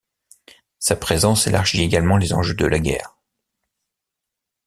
Sa présence élargit également les enjeux de la guerre.